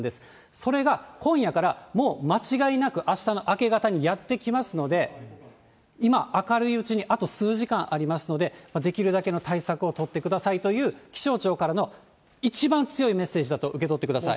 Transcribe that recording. それが今夜からもう間違いなく、あしたの明け方にやって来ますので、今、明るいうちにあと数時間ありますので、できるだけの対策を取ってくださいという、気象庁からの一番強いメッセージだと受け取ってください。